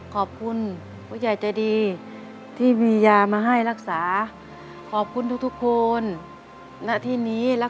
ขอบคุณครับสาธุครับพระอาทิตย์ขอบคุณครับสาธุครับพระอาทิตย์ขอบคุณครับ